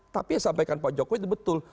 tapi yang sampaikan pak jokowi itu betul